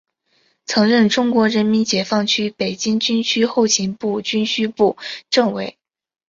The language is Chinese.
曾任中国人民解放军北京军区后勤部军需部政委。